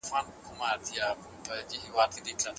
ښه کار تل خپل انعام ترلاسه کوي.